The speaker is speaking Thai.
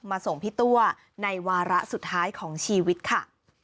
ส่งพี่ตัวในวาระสุดท้ายของชีวิตค่ะ